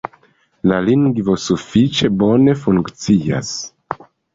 La lingvo sufiĉe bone funkcias.